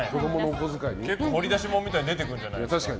結構、掘り出し物みたいなの出てくるんじゃないですか？